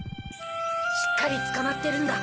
しっかりつかまってるんだ。